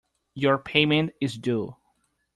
Your payment is due.